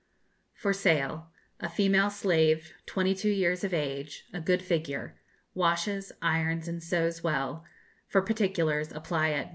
FOR SALE. A female slave, 22 years of age, a good figure, washes, irons, and sews well; for particulars apply at No.